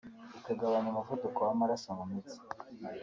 ikagabanya umuvuduko w’amaraso mu mitsi